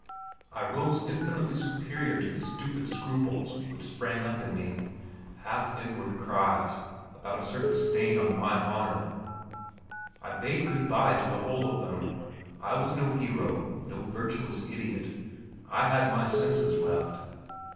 I rose infinitely superior to the stupid scruples which sprang up in me half inward cries about a certain stain on my honour. I bade good bye to the whole of them. I was no hero no virtuous idiot. I had my senses left.